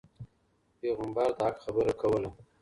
پيغمبر د حق خبره کوله.